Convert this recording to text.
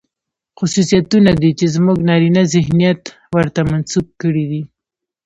خصوصيتونه دي، چې زموږ نارينه ذهنيت ورته منسوب کړي دي.